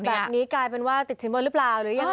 แบบนี้กลายเป็นว่าติดสินบนหรือเปล่าหรือยังไง